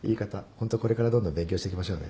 ホントこれからどんどん勉強していきましょうね。